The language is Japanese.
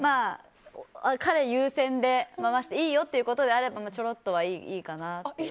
彼優先で回していいよということならちょろっとはいいかなと。